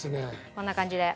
こんな感じで。